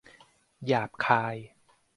หยาบคาย